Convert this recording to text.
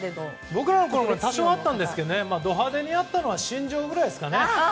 僕らのころも多少あったんですがド派手にやったのは新庄ぐらいですかね。